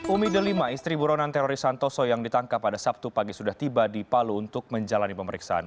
umi delima istri buronan teroris santoso yang ditangkap pada sabtu pagi sudah tiba di palu untuk menjalani pemeriksaan